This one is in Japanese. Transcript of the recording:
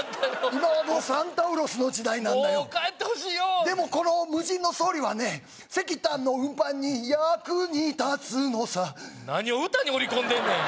今はもうサンタウロスの時代なんだよもう帰ってほしいよでもこの無人のソリはね石炭の運搬に役に立つのさ何を歌に織り込んでんねん